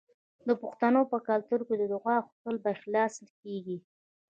د پښتنو په کلتور کې د دعا غوښتل په اخلاص کیږي.